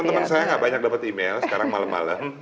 temen temen saya gak banyak dapet email sekarang malem malem